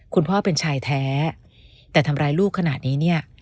คุณพ่อเป็นชายแท้แต่ทำร้ายลูกขนาดนี้เนี่ย